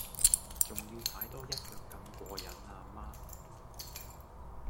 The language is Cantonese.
仲要踩多一腳咁過癮呀嗎